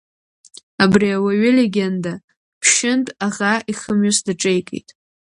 Абри ауаҩы легенда, ԥшьынтә аӷа ихымҩас даҿеикит.